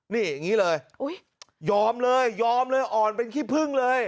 นี่งี้เลยอายอมเลยอ่อนเป็นขี้พึ่งเลย